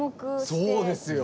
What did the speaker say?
そうですよ。